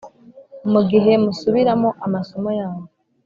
mu gihemusubiramo amasomo yanyu.